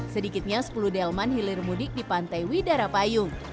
sedikitnya sepuluh delman hilir mudik di pantai widara payung